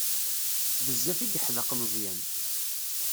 Bezzaf i yeḥdeq Meẓyan.